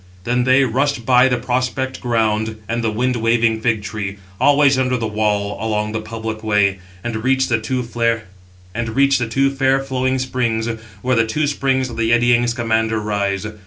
Then they rushed by the prospect ground and the wind waving fig tree, always under the wall along the public way, and reached the two fair flowing springs, where the two springs of the eddying Scamander rise.